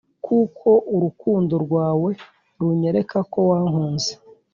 kuko urukundo rwawe runyereka ko wankunze